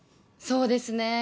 そうですね。